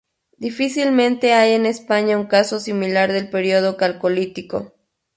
Difícilmente hay en España un caso similar del periodo Calcolítico.